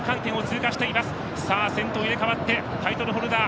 先頭、入れ代わってタイトルホルダー。